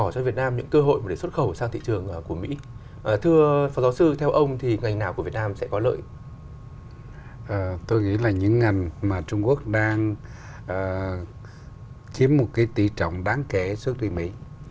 kiếm một cái tỷ trọng đáng kể xuất đi mỹ